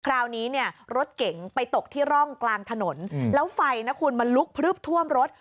คราวนี้เนี่ยรถเก๋งไปตกที่ร่องกลางถนนแล้วไฟนะคุณมันลุกพลึบท่วมรถ